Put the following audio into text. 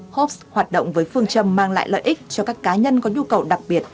hopps hoạt động với phương trầm mang lại lợi ích cho các cá nhân có nhu cầu đặc biệt